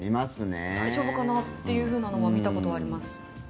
大丈夫かなというのは見たことあります。